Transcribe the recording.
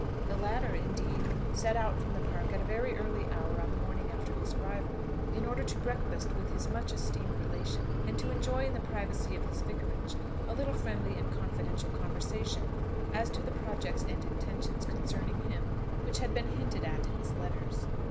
The latter, indeed, set out from the Park at a very early hour on the morning after his arrival, in order to breakfast with his much esteemed relation, and to enjoy in the privacy of his Vicarage a little friendly and confidential conversation as to the projects and intentions concerning him, which had been hinted at in his letters.